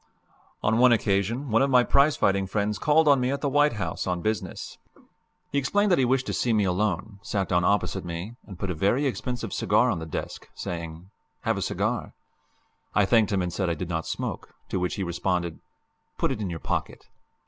On one occasion one of my prize fighting friends called on me at the White House on business. He explained that he wished to see me alone, sat down opposite me, and put a very expensive cigar on the desk, saying, "Have a cigar." I thanked him and said I did not smoke, to which he responded, "Put it in your pocket."